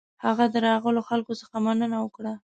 هغه د راغلو خلکو څخه مننه وکړه.